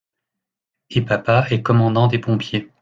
Et papa est commandant des pompiers.